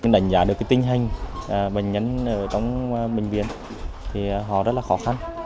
đánh giá được tình hình bệnh nhân ở trong bệnh viện thì họ rất là khó khăn